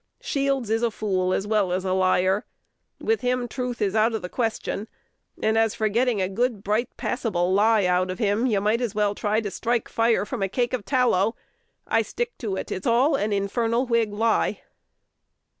Shields is a fool as well as a liar. With him truth is out of the question; and, as for getting a good bright passable lie out of him, you might as well try to strike fire from a cake of tallow. I stick to it, it's all an infernal Whig lie!"